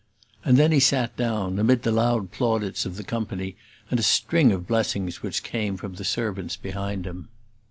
And then he sat down, amid the loud plaudits of the company, and a string of blessings which came from the servants behind him.